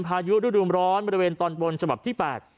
พายุฤดูร้อนบริเวณตอนบนฉบับที่๘